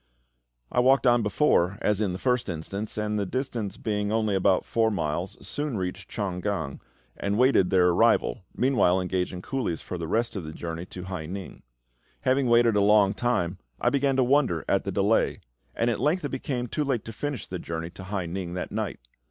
I walked on before as in the first instance, and the distance being only about four miles, soon reached Chang gan, and waited their arrival, meanwhile engaging coolies for the rest of the journey to Hai ning. Having waited a long time, I began to wonder at the delay; and at length it became too late to finish the journey to Hai ning that night.